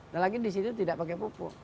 dan lagi di situ tidak pakai popo